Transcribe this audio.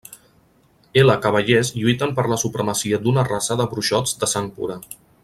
Ela cavallers lluiten per la supremacia d'una raça de bruixots de sang pura.